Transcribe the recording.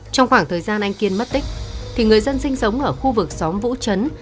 trong khoảng thời gian anh kiên mất tích thì người dân sinh sống ở khu vực xóm vũ chấn